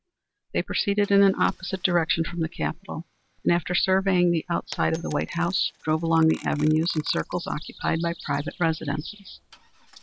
They proceeded in an opposite direction from the Capitol, and after surveying the outside of the White House, drove along the avenues and circles occupied by private residences.